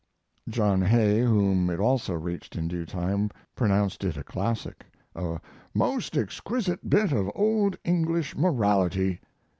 John Hay, whom it also reached in due time, pronounce it a classic a "most exquisite bit of old English morality."